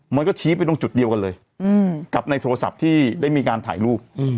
มันก็ชี้ไปตรงจุดเดียวกันเลยกับในโทรศัพท์ที่ได้มีการถ่ายรูป